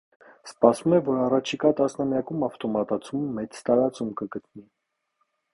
Սպասվում է, որ առաջիկա տասնամյակում ավտոմատացումը մեծ տարածում կգտնի։